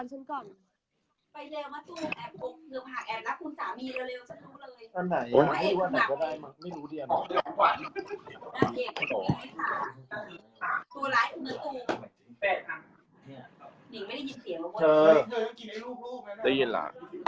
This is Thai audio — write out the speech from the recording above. เฮ้ได้เย็นล่ะ